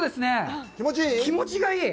気持ちいい？